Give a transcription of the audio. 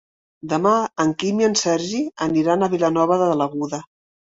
Demà en Quim i en Sergi aniran a Vilanova de l'Aguda.